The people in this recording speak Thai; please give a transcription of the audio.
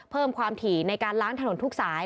เพิ่มความถี่ในการล้างถนนทุกสาย